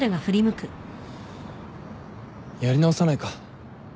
やり直さないか？